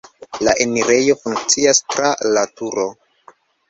La enirejo funkcias tra laturo.